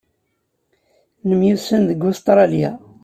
Nemyussan deg Ustṛalya.